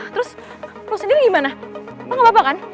terus lo sendiri gimana lo gapapa kan